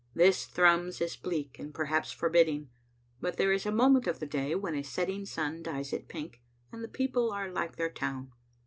This Thrums is bleak and perhaps forbidding, but there is a moment of the day when a setting sun dyes it pink, and the people are like their town.